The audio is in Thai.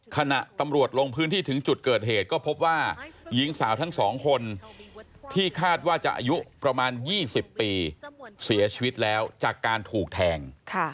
ขณะตำรวจลงพื้นที่ถึงจุดเกิดเหตุก็พบว่าหญิงสาวทั้งสองคนที่คาดว่าจะอายุประมาณ๒๐ปีเสียชีวิตแล้วจากการถูกแทง